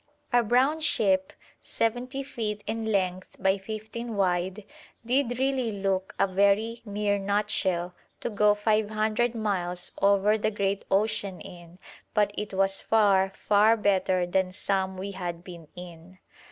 Our brown ship, 70 feet in length by 15 wide, did really look a very 'mere nutshell' to go 500 miles over the great ocean in, but it was far, far better than some we had been in.